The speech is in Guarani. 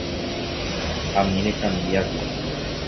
Ani recambiáti.